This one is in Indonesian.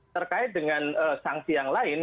terkait dengan sanksi yang lain